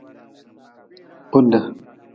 Kpude.